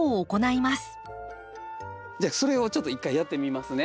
じゃあそれをちょっと一回やってみますね。